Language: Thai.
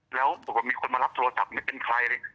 แล้วบอกว่ามีคนมารับโทรศัพท์ไม่เป็นใครเลย